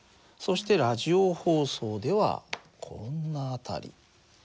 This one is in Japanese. そしてラジオ放送ではこんな辺り。